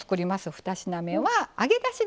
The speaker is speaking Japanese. ２品目は揚げだし豆腐ですよ。